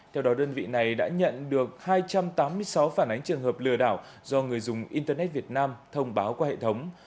theo đó đơn vị này đã nhận được hai trăm tám mươi sáu phản ánh trường hợp lừa đảo do người dùng internet việt nam thông báo qua hệ thống